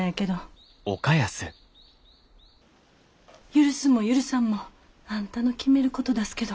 許すも許さんもあんたの決めることだすけど。